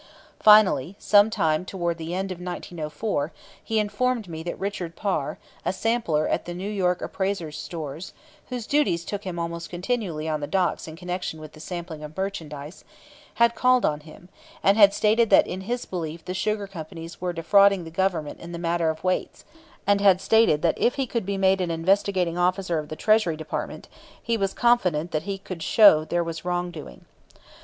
Finally, some time toward the end of 1904, he informed me that Richard Parr, a sampler at the New York Appraisers' Stores (whose duties took him almost continually on the docks in connection with the sampling of merchandise), had called on him, and had stated that in his belief the sugar companies were defrauding the Government in the matter of weights, and had stated that if he could be made an investigating officer of the Treasury Department, he was confident that he could show there was wrongdoing.